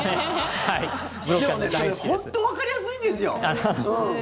でも、それ本当にわかりやすいんですよ。